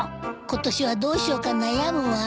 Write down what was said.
今年はどうしようか悩むわ。